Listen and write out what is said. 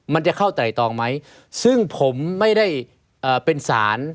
มันจะเข้าไตรตองไหมซึ่งผมไม่ได้เอ่อเป็นศาล